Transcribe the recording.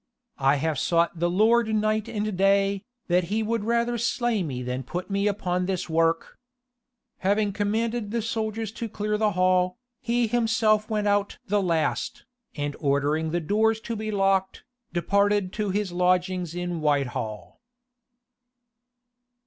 I have sought the Lord night and day, that he would rather slay me than put me upon this work." Having commanded the soldiers to clear the hall, he himself went out the last, and ordering the doors to be locked, departed to his lodgings in Whitehall.